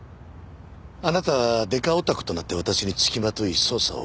あなたはデカオタクとなって私につきまとい捜査を攪乱した。